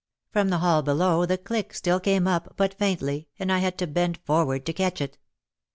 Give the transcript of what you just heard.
From the hall below the click still came up but faintly and I had to bend forward to catch it.